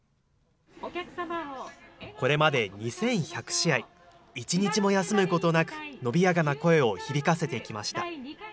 これまで２１００試合、一日も休むことなく伸びやかな声を響かせてきました。